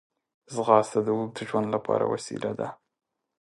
ځغاسته د اوږد ژوند لپاره وسیله ده